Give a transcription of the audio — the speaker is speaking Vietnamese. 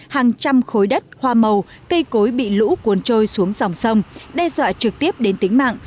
hàng trăm khối đất hoa màu cây cối bị lũ cuốn trôi xuống dòng sông đe dọa trực tiếp đến tính mạng